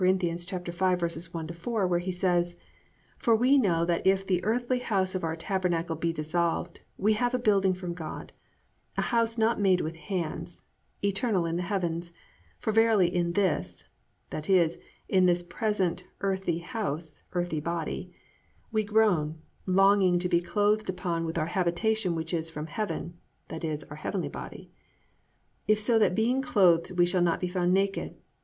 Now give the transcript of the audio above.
5:1 4 where he says, +"For we know that if the earthly house of our tabernacle be dissolved, we have a building from God, a house not made with hands, eternal, in the heavens. For verily in this+ (i.e., in this present earthly house, earthy body) +we groan, longing to be clothed upon with our habitation which is from heaven+ (i.e., our heavenly body): +if so be that being clothed we shall not be found naked.